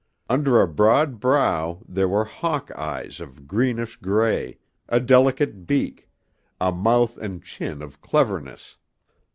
Under a broad brow there were hawk eyes of greenish gray, a delicate beak, a mouth and chin of cleverness.